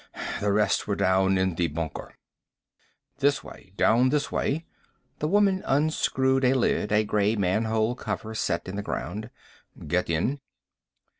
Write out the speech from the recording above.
The rest were down in the bunker." "This way. Down this way." The woman unscrewed a lid, a gray manhole cover set in the ground. "Get in."